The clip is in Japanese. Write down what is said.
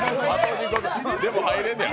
でも入れんねん。